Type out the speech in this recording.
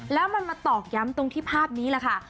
แล้วมันมาตอกย้ำตรงที่ภาพนี้แหละค่ะ